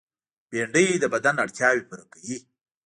بېنډۍ د بدن اړتیاوې پوره کوي